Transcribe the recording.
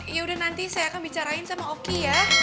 ya udah nanti saya akan bicarain sama opti ya